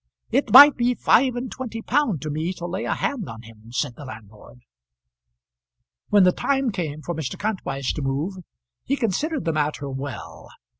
"It might be five and twenty pound to me to lay a hand on him!" said the landlord. When the time came for Mr. Kantwise to move, he considered the matter well.